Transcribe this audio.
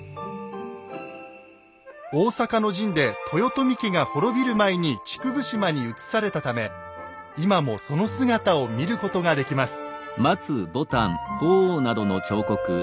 大坂の陣で豊臣家が滅びる前に竹生島に移されたため今もその姿を見ることができます。